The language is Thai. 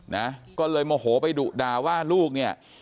นะก็เลยโมโหไปดุด่าว่าลูกเนี่ย